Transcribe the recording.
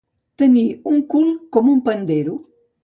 Tenir un cul com un pandero.